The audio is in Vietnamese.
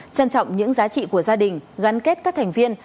trân trọng những giá trị của gia đình gắn kết các thành viên